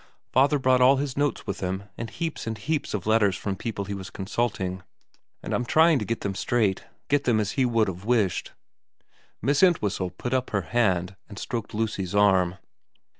* Father brought all his notes with him, and heaps and heaps of letters from people he was consulting, and I'm trying to get them straight get them as he would have wished ' Miss Entwhistle put up her hand and stroked Lucy's arm.